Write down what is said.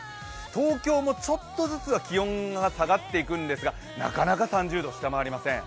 東京もちょっとずつ気温が下がっていくんですがなかなか３０度を下回りません。